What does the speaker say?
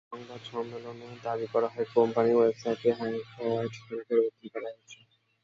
সংবাদ সম্মেলনে দাবি করা হয়, কোম্পানির ওয়েবসাইটটি হ্যাকড হওয়ায় ঠিকানা পরিবর্তন করা হয়েছে।